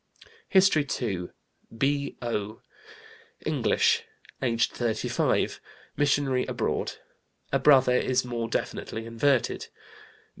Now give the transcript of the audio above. HISTORY II. B.O., English, aged 35, missionary abroad. A brother is more definitely inverted.